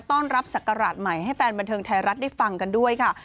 ต้อนรับศักราชใหม่ให้แฟนบันเทิงไทยรัฐได้ฟังกันด้วยค่ะ